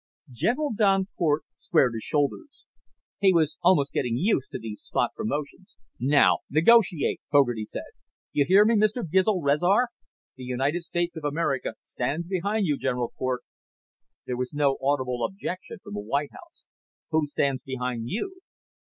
General Don Cort squared his shoulders. He was almost getting used to these spot promotions. "Now negotiate," Fogarty said. "You hear me, Mr. Gizl Rezar? The United States of America stands behind General Cort." There was no audible objection from the White House. "Who stands behind you?"